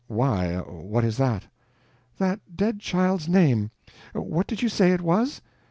"Why, what is that?" "That dead child's name. What did you say it was?"